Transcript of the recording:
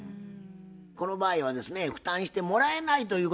この場合はですね負担してもらえないということでございます。